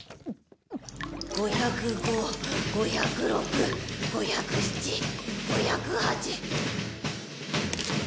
５０５５０６５０７５０８。